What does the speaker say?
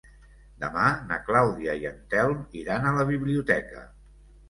Demà na Clàudia i en Telm iran a la biblioteca.